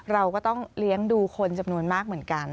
เราก็ต้องเลี้ยงดูคนจำนวนมากเหมือนกัน